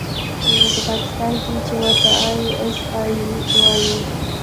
په پاکستان کښې چې ورته آى اس آى وايي.